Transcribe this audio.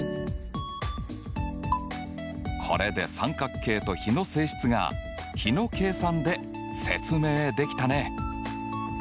これで三角形と比の性質が比の計算で説明できたね。